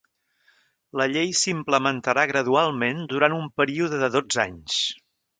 La llei s'implementarà gradualment durant un període de dotze anys.